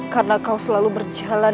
karena kau selalu berjalan